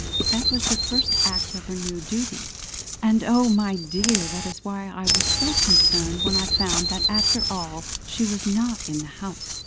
That was the first act of her new duty! And, oh my dear! that is why I was so concerned when I found that after all she was not in the house.